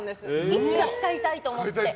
いつか使いたいと思って。